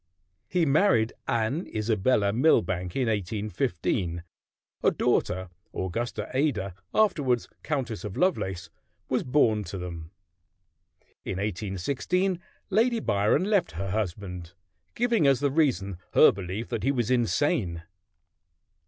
He married Anne Isabella Milbanke in 1815. A daughter, Augusta Ada, afterward Countess of Lovelace, was born to them. In 1816 Lady Byron left her husband, giving as the reason her belief that he was insane.